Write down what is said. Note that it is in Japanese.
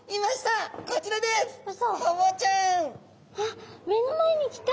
あっ目の前に来た！